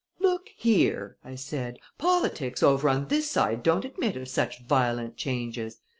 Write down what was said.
"Look here!" I said. "Politics over on this side don't admit of such violent changes.